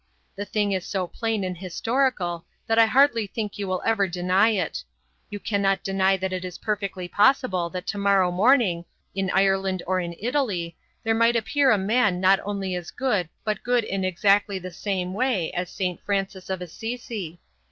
The thing is so plain and historical that I hardly think you will ever deny it. You cannot deny that it is perfectly possible that tomorrow morning, in Ireland or in Italy, there might appear a man not only as good but good in exactly the same way as St. Francis of Assisi.